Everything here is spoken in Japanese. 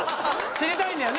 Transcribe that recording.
知りたいんだよね？